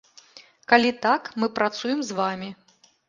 Калі так, мы працуем з вамі!